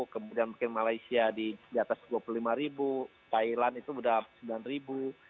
kemudian mungkin malaysia di atas dua puluh lima ribu thailand itu sudah sembilan ribu